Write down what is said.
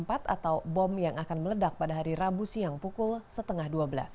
atau bom yang akan meledak pada hari rabu siang pukul setengah dua belas